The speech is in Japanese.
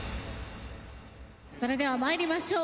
それでは参りましょう。